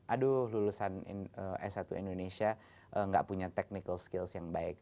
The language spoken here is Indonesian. aduh lulusan s satu indonesia nggak punya technical skills yang baik